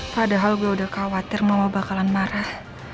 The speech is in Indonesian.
padahal gue udah khawatir mama bakalan marah